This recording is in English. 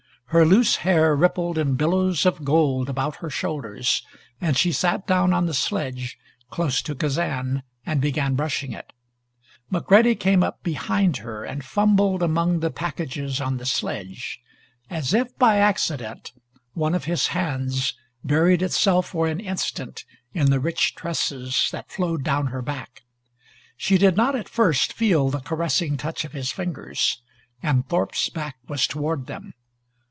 Her loose hair rippled in billows of gold about her shoulders and she sat down on the sledge, close to Kazan, and began brushing it. McCready came up behind her and fumbled among the packages on the sledge. As if by accident one of his hands buried itself for an instant in the rich tresses that flowed down her back. She did not at first feel the caressing touch of his fingers, and Thorpe's back was toward them.